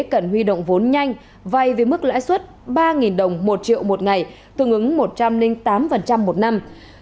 cần huy động vốn nhanh vay với mức lãi suất ba đồng một triệu một ngày tương ứng một trăm linh tám một năm